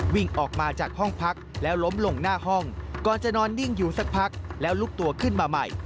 วิ่งออกมาจากห้องพักแล้วล้มลงหน้าห้องก่อนจะนอนนิ่งอยู่สักพักแล้วลุกตัวขึ้นมาใหม่